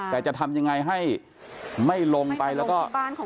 แต่จะทำยังไงให้ไม่ลงไปแล้วก็